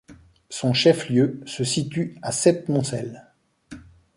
Son chef-lieu se situe à Septmoncel.